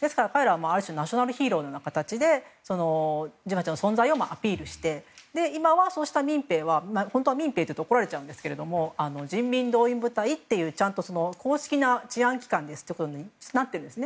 ある種、ナショナルヒーローのような形で自分たちの存在をアピールして今は、そうした民兵は本当は民兵というと怒られますが人民動員部隊というちゃんとした治安機関になってるんです。